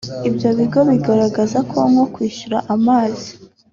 Ibyo bigo bigaragaza ko nko kwishyuza amazi